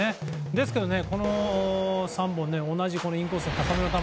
ですけどね、この３本同じインコース高めの球。